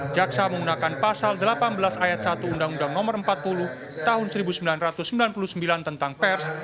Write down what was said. jaksa menggunakan pasal delapan belas ayat satu undang undang no empat puluh tahun seribu sembilan ratus sembilan puluh sembilan tentang pers